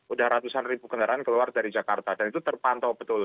udah ratusan ribu kendaraan keluar dari jakarta dan itu terpantau betul